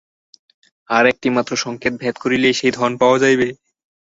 আর একটিমাত্র সংকেত ভেদ করিলেই সেই ধন পাওয়া যাইবে।